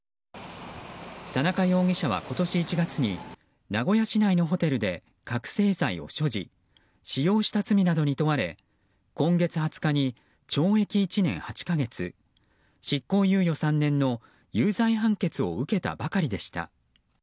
田中容疑者は今年１月に名古屋市内のホテルで覚醒剤を所持使用した罪などに問われ今月２０日に懲役１年８か月執行猶予３年の有罪判決を受けたばかりでした。